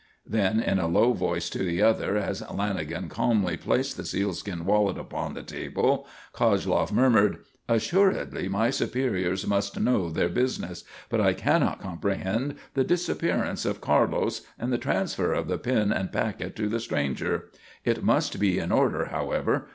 Then, in a low voice to the other, as Lanagan calmly placed the sealskin wallet upon the table, Koshloff murmured: "Assuredly my superiors must know their business. But I cannot comprehend the disappearance of Carlos and the transfer of the pin and packet to the stranger. It must be in order, however.